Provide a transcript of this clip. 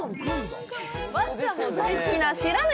ワンちゃんも大好きな不知火。